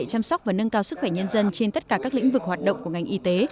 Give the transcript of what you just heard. chăm sóc và nâng cao sức khỏe nhân dân trên tất cả các lĩnh vực hoạt động của ngành y tế